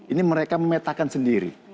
ini mereka memetakan sendiri